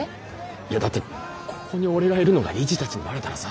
いやだってここに俺がいるのが理事たちにバレたらさ。